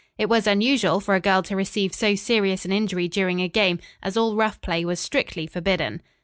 It was unusual for a girl to receive so serious an injury during a game, as all rough play was strictly forbidden.